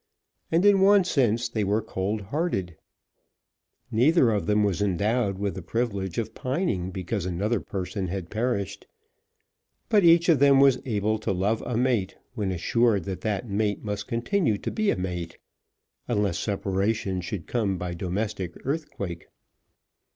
And in one sense they were cold hearted. Neither of them was endowed with the privilege of pining because another person had perished. But each of them was able to love a mate, when assured that that mate must continue to be mate, unless separation should come by domestic earthquake.